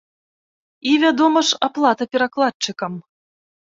І, вядома ж, аплата перакладчыкам.